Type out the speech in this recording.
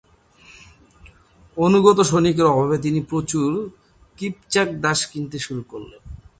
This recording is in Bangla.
অনুগত সৈনিকের অভাবে তিনি প্রচুর "কিপচাক দাস" কিনতে শুরু করেন।